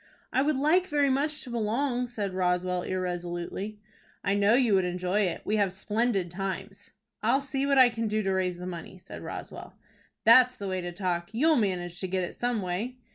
"I would like very much to belong," said Roswell, irresolutely. "I know you would enjoy it. We have splendid times." "I'll see what I can do to raise the money," said Roswell. "That's the way to talk. You'll manage to get it some way."